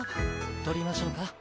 撮りましょうか？